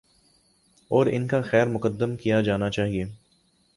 اور ان کا خیر مقدم کیا جانا چاہیے۔